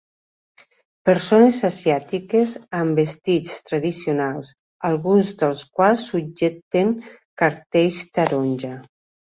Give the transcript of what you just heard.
Persones asiàtiques amb vestits tradicionals, alguns dels quals subjecten cartells taronja.